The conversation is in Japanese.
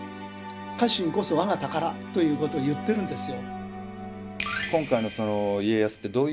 「家臣こそ我が宝」ということを言ってるんですよ。